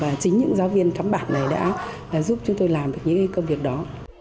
và chính những giáo viên thám bản này đã giúp chúng tôi làm được những công việc đó